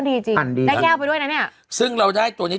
ดีจริงได้แก้วไปด้วยนะเนี่ยซึ่งเราได้ตัวนี้